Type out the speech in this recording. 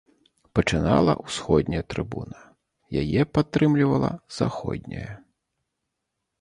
Пачынала ўсходняя трыбуна, яе падтрымлівала заходняя.